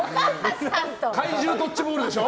怪獣ドッジボールでしょ？